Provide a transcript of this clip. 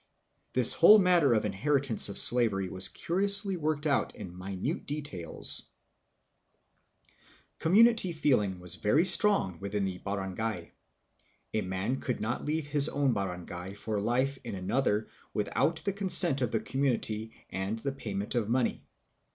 This whole matter of inheritance of slavery was curiously worked out in details. Life in the Barangay. Community feeling was very strong within the barangay. A man could not leave his own barangay for life in another without the consent of the community and the payment of money.